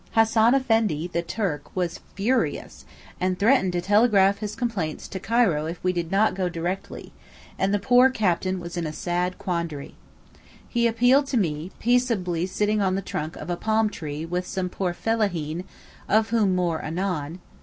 Hassan Effendi, the Turk, was furious, and threatened to telegraph his complaints to Cairo if we did not go directly, and the poor captain was in a sad quandary. He appealed to me, peaceably sitting on the trunk of a palm tree with some poor fellaheen (of whom more anon).